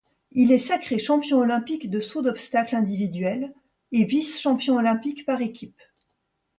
Il est sacré champion olympique de saut d'obstacles individuel et vice-champion olympique par équipe.